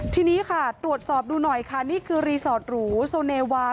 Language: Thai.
ทีนี้ค่ะตรวจสอบดูหน่อยค่ะนี่คือรีสอร์ทหรูโซเนวา